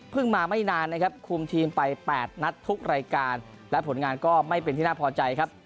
มาไม่นานนะครับคุมทีมไป๘นัดทุกรายการและผลงานก็ไม่เป็นที่น่าพอใจครับ